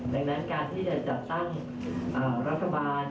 ดังนั้นการที่จะจัดตั้งรัฐบาล